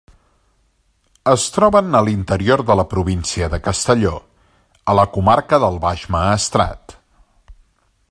Es troben a l'interior de la província de Castelló, a la comarca del Baix Maestrat.